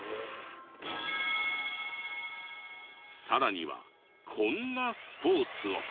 さらにはこんなスポーツを。